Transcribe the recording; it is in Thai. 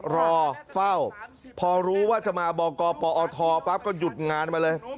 รอเฝ้าพอรู้ว่าจะมาบกปอทปั๊บก็หยุดงานมาเลย